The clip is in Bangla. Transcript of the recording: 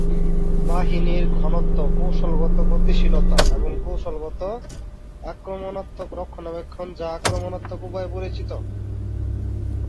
বাহিনীর ঘনত্ব, কৌশলগত গতিশীলতা, এবং কৌশলগত আক্রমণাত্মক রক্ষণাবেক্ষণ যা আক্রমণাত্মক উপায়ে পরিচিত।